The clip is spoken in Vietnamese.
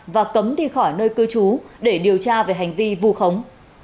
và cấm đi khỏi nơi cư trú để điều tra về hành vi vu khống